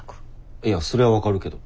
いやそれは分かるけど。